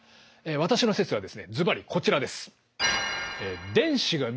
私の説はですねずばりこちらです。